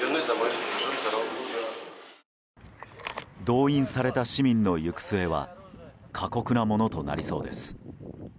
動員された市民の行く末は過酷なものとなりそうです。